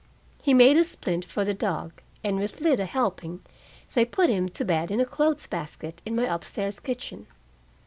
He made a splint for the dog, and with Lida helping, they put him to bed in a clothes basket in my up stairs kitchen.